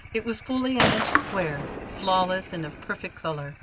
It was fully an inch square, flawless, and of perfect colour.